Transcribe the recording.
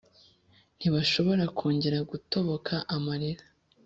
ntibashobora kongera gutoboka amarira